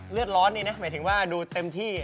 เลือดร้อนนี่นะหมายถึงว่าดูเต็มที่